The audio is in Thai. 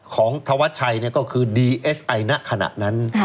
ของธวัดชัยเนี่ยก็คือดีเอสไอนะขณะนั้น